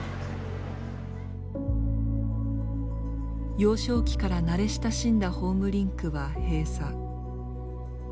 幼少期から慣れ親しんだホームリンクは閉鎖。